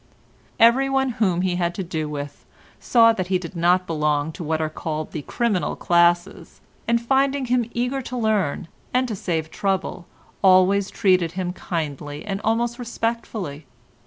Everyone whom he had to do with saw that he did not belong to what are called the criminal classes, and finding him eager to learn and to save trouble always treated him kindly and almost respectfully.